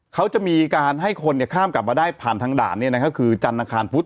เขาจะมีการให้คนเนี้ยข้ามกลับมาได้ผ่านทางด่านเนี้ยนะครับคือจันทราคารพุธ